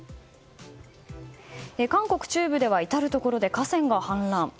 韓国中部では至るところで河川が氾濫。